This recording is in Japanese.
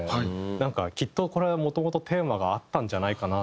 なんかきっとこれはもともとテーマがあったんじゃないかな。